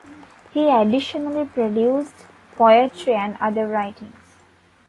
He additionally produced poetry and other writings.